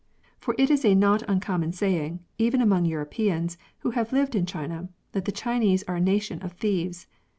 For it is a not uncommon saying, even among Europeans who have lived in China, that the Chinese are a nation of thieves.